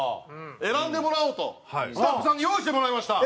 選んでもらおうとスタッフさんに用意してもらいました。